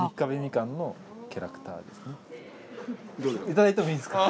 頂いてもいいんですか？